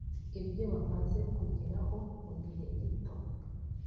Ibyo bamaze kugeraho mu gihe gito